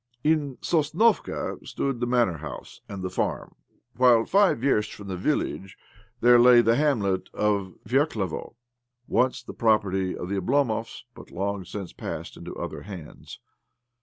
In Sosnovka stood the manor house and the farm, while five versts from the village there lay the hamlet of Verklevo — once the property of the Oblomovs, but long since passed into other hands.